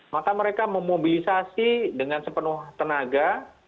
maka mereka memobilisasi dengan sepenuh tenaga